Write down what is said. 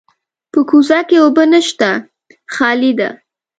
په کوزه کې اوبه نشته، خالي ده.